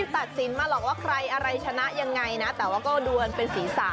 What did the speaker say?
เพราะว่าใครอะไรชนะยังไงนะแต่ว่าก็ดวนเป็นศีรษะ